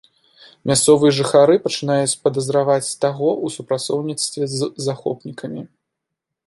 Мясцовыя жыхары пачынаюць падазраваць таго ў супрацоўніцтве з захопнікамі.